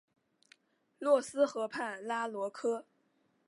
洛斯河畔拉罗科。